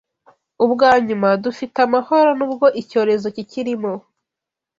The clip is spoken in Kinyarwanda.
Ubwanyuma, dufite amahoro nubwo icyorezo kikirimo.